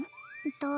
えっと